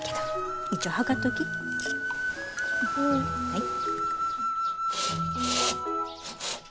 はい。